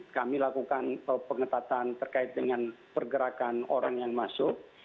kami lakukan pengetatan terkait dengan pergerakan orang yang masuk